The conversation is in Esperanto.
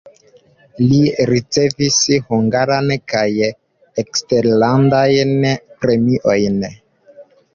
Li ricevis hungaran kaj eksterlandajn premiojn.